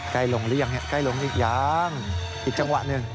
ใกล้ลงหรือยังใกล้ลงอีกยังอีกจังหวะหนึ่ง